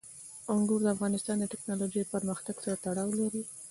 انګور د افغانستان د تکنالوژۍ پرمختګ سره تړاو لري.